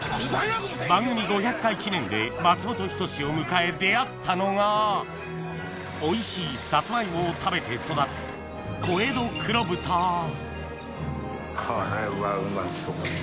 番組５００回記念で松本人志を迎え出合ったのがおいしいサツマイモを食べて育つこれはうまそう。